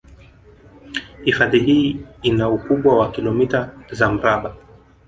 Hifadhi hii ina ukubwa wa kilometa za mraba